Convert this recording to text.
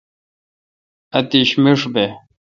اتش مݭ بہ۔